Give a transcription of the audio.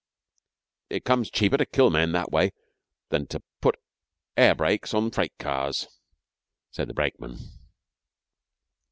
'It comes cheaper to kill men that way than to put air brakes on freight cars,' said the brakeman.